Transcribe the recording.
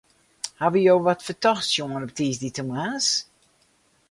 Hawwe jo wat fertochts sjoen dy tiisdeitemoarns?